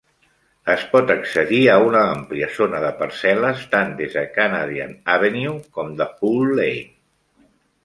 Es pot accedir a una àmplia zona de parcel·les tant des de Canadian Avenue com de Hoole Lane.